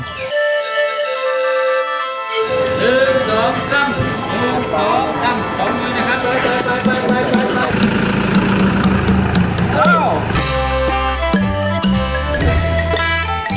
๒มือหน่อยครับไป